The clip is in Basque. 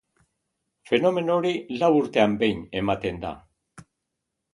Fenomeno hori lau urtean behin ematen da.